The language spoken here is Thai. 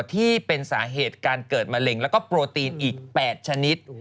ที่เป็นสาเหตุการเกิดมะเร็งแล้วก็โปรตีนอีก๘ชนิด